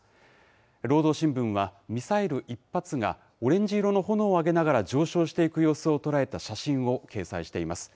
労働新聞は、ミサイル１発がオレンジ色の炎を上げながら上昇していく様子を捉えた写真を掲載しています。